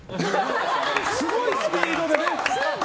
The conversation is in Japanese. すごいスピードでね。